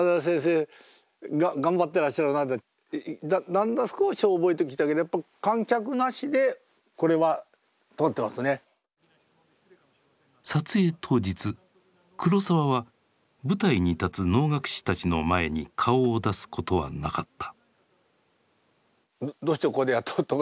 だんだん少し覚えてきたけど撮影当日黒澤は舞台に立つ能楽師たちの前に顔を出すことはなかった。